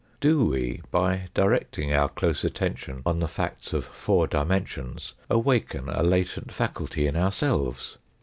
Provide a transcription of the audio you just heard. Do we by directing our close attention on the facts of four dimensions awaken a latent faculty in ourselves